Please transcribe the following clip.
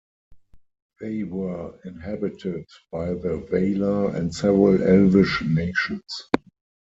They were inhabited by the Valar and several elvish nations.